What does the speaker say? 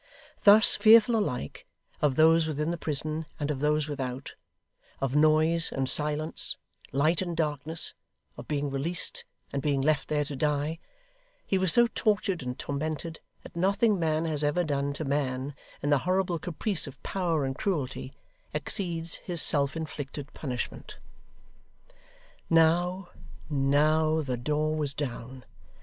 Thus fearful alike, of those within the prison and of those without; of noise and silence; light and darkness; of being released, and being left there to die; he was so tortured and tormented, that nothing man has ever done to man in the horrible caprice of power and cruelty, exceeds his self inflicted punishment. Now, now, the door was down.